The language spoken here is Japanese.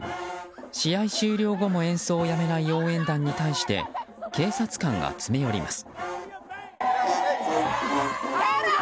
試合終了後も演奏を止めない応援団に対して警察官が詰め寄ります。